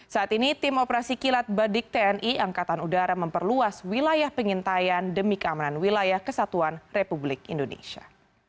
saat ini tim operasi kilat badik tni angkatan udara memperluas wilayah pengintaian demi keamanan wilayah kesatuan republik indonesia